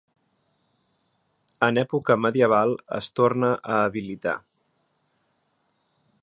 En època medieval es torna a habilitar.